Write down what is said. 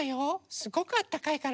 すごくあったかいから。